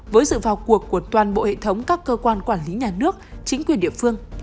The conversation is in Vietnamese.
với sự vào cuộc của toàn bộ hệ thống các cơ quan quản lý nhà nước chính quyền địa phương